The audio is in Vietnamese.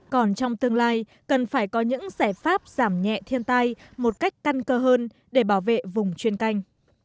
còn trong tương lai cần phải có những giải pháp giảm nhẹ thiên tai một cách căn cơ hơn để bảo vệ vùng chuyên canh